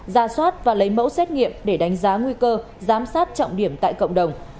ra soát và lấy mẫu xét nghiệm để đánh giá nguy cơ giám sát trọng điểm tại cộng đồng